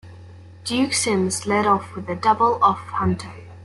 Duke Sims led off with a double off Hunter.